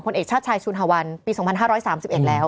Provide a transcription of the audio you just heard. เอกชาติชายชุนฮวันปี๒๕๓๑แล้ว